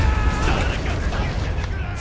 誰か助けてくれーっ！！